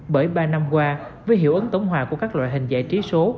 bởi ba năm qua với hiệu ứng tổng hòa của các loại hình dạy trí số